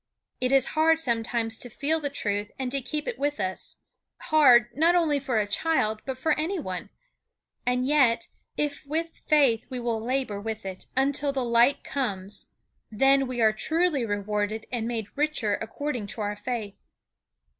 It is hard, sometimes, to feel the truth and to keep it with us; hard, not only for a child, but for any one; and yet, if with faith we will labor with it until the light comes, then we are truly rewarded and made richer according to our faith.